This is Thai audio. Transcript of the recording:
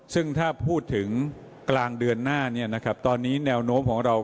ซึ่งถ้าพูดถึงกลางเดือนหน้าตอนนี้แนวโน้มของเรา